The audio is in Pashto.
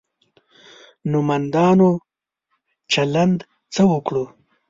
نومندانو چلند څه وکړو.